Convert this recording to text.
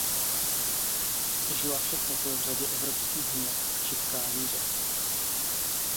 Žila však také v řadě evropských měst či Káhiře.